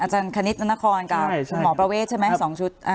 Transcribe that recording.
อาจารย์คณิตนันครกับหมอประเวทใช่ไหม๒ชุด